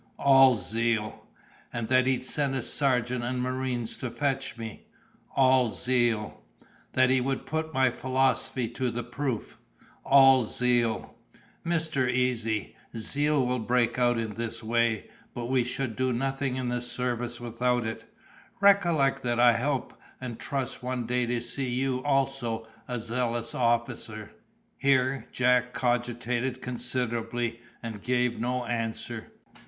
"All zeal." "And that he'd send a sergeant and marines to fetch me." "All zeal." "That he would put my philosophy to the proof." "All zeal, Mr. Easy. Zeal will break out in this way; but we should do nothing in the service without it. Recollect that I hope and trust one day to see you also a zealous officer." Here Jack cogitated considerably, and gave no answer.